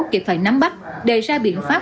kịp phải nắm bắt đề ra biện pháp